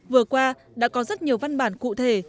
vừa qua đã có rất nhiều văn bản cụ thể